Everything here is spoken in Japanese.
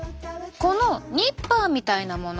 このニッパーみたいなもの。